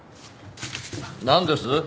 何です？